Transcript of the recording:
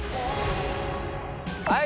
はい。